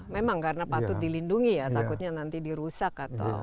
memang karena patut dilindungi ya takutnya nanti dirusak atau